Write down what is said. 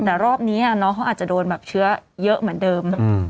แต่รอบนี้น้องเขาอาจจะโดนแบบเชื้อเยอะเหมือนเดิม